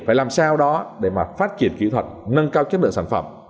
phải làm sao đó để mà phát triển kỹ thuật nâng cao chất lượng sản phẩm